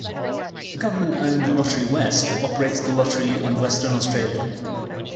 The Government owned Lotterywest operates the lottery in Western Australia.